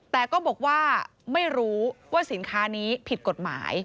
แต่ก็บอกว่าไม่รู้ว่าสินค้านี้ผิดกฎหมาย